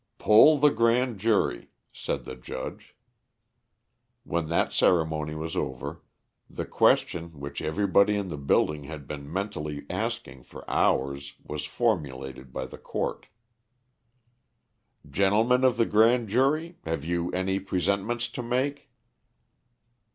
"Poll the grand jury," said the judge. When that ceremony was over, the question which everybody in the building had been mentally asking for hours was formulated by the court. "Gentlemen of the grand jury, have you any presentments to make?"